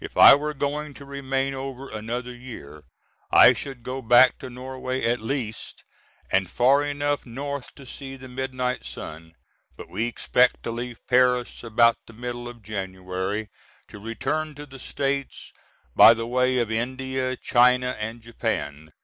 If I were going to remain over another year I should go back to Norway at least and far enough north to see the midnight sun. But we expect to leave Paris about the middle of January, to return to the States by the way of India, China, and Japan.